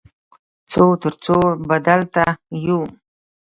څو تر څو به دلته یو؟